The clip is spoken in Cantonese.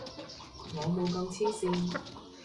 我冇咁黐線